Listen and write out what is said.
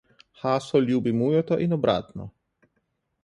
Haso ljubi Mujota in obratno.